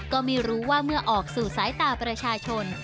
ก็ไม่รู้ว่าเมื่อออกสู่สายตาประชาชน